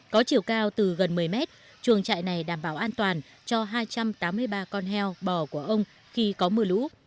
có chiều cao từ gần một mươi mét chuồng trại này đảm bảo an toàn cho hai trăm tám mươi ba con heo bò của ông khi có mưa lũ